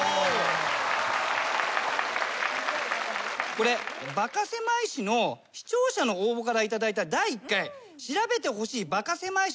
これ『バカせまい史』の視聴者の応募から頂いた第１回調べてほしいバカせまい史の大賞の企画。